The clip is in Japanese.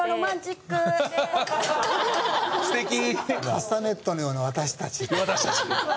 「カスタネットのような私たち」。